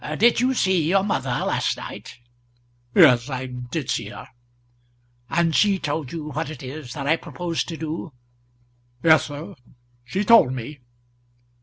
"Did you see your mother last night?" "Yes; I did see her." "And she told you what it is that I propose to do?" "Yes, sir; she told me."